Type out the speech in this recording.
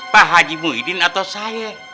pak haji muhyiddin atau saya